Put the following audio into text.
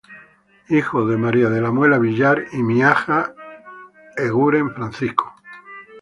Hijo de Francisco Miaja Eguren y María de la Muela Villar.